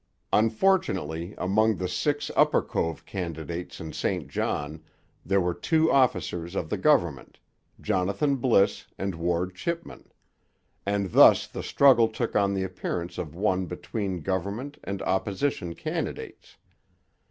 Unfortunately, among the six Upper Cove candidates in St John there were two officers of the government, Jonathan Bliss and Ward Chipman; and thus the struggle took on the appearance of one between government and opposition candidates.